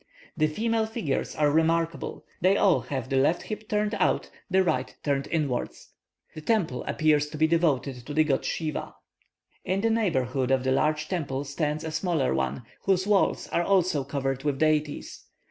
The female figures are remarkable; they all have the left hip turned out, the right turned inwards. The temple appears to be devoted to the god Shiva. In the neighbourhood of the large temple stands a smaller one, whose walls are also covered with deities.